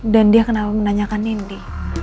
dan dia kenapa menanyakan nindi